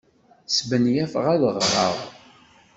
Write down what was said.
Smenyafeɣ ad ɣreɣ.